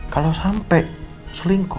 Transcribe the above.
kalau sampai selingkuh